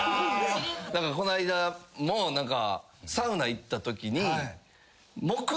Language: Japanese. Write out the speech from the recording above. こないだも何かサウナ行ったときに。